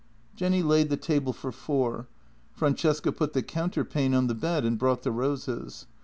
Jenny laid the table for four. Francesca put the counter pane on the bed and brought the roses.